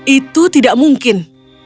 itu tidak mungkin